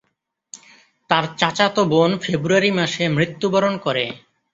তার চাচাতো বোন ফেব্রুয়ারি মাসে মৃত্যুবরণ করে।